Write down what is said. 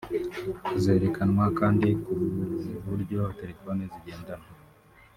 Hazerekanwa kandi uburyo telefoni zigendanwa